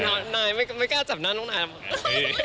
ไม่กล้านายไม่กล้าจับหน้าน้องนายแบบ